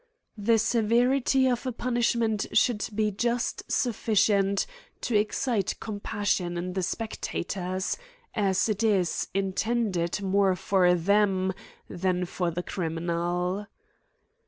The se verity of a punishment should be just sufficient to excite compassion in the spectators, as it is in tended more for them than for the criminal.